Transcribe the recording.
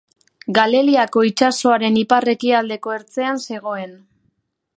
Galileako itsasoaren ipar-ekialdeko ertzean zegoen.